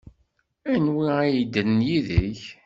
Anwi ay yeddren yid-k?